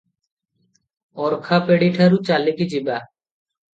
ଅର୍ଖାପେଡିଠାରୁ ଚାଲିକି ଯିବା ।